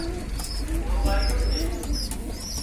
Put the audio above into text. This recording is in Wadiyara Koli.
وئوئاريون سي